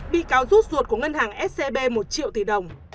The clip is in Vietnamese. bị cáo rút ruột của ngân hàng scb một triệu tỷ đồng